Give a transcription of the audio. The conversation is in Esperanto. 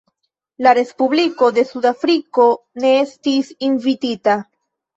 La Respubliko de Sudafriko ne estis invitita.